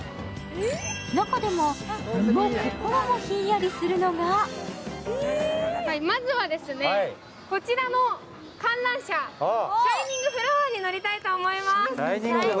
中でも身も心もひんやりするのがまずはですね、こちらの観覧車、シャイニング・フラワーに乗りたいと思います。